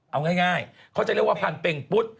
เอาง่ายเขาจะเรียกว่าพันเป็งปุ๊ด